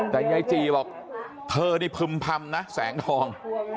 แต่ยายจีบอกเธอนี่พึ่มพำนะแสงทอง